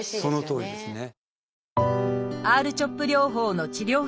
そのとおりですね。